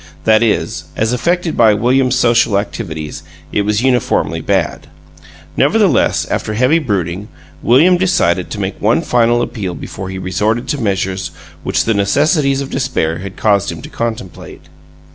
That is, as affected by William's social activities, it was uniformly bad. Nevertheless, after heavy brooding, William decided to make one final appeal before he resorted to measures which the necessities of despair had caused him to contemplate.